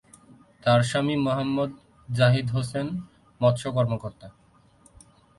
তার স্বামী মোহাম্মদ জাহিদ হোসেন মৎস কর্মকর্তা।